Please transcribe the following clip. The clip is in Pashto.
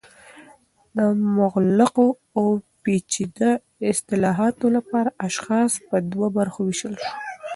د مغلقو او پیچده اصطالحاتو لپاره اشخاص په دوه برخو ویشو